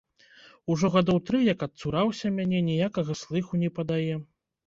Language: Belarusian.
Ужо гадоў тры як адцураўся мяне, ніякага слыху не падае.